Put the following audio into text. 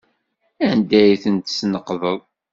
Anda ay tent-tesneqdeḍ?